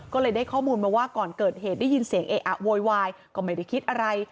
ก็เลยได้ข้อมูลมาว่าก่อนเกิดเหตุได้ยินเสียงเอะอะโวยวายก็ไม่ได้คิดอะไร